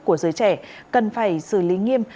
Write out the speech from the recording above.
của giới trẻ cần phải xử lý nghiêm